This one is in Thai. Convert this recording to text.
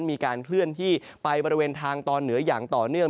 มีการเคลื่อนที่ไปบริเวณทางตอนเหนืออย่างต่อเนื่อง